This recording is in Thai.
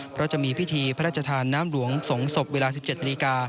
เพราะจะมีพิธีพระราชทานน้ำหลวงสงศพเวลา๑๗นาฬิกา